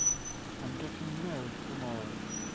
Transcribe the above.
I'm getting married tomorrow.